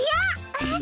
あっ！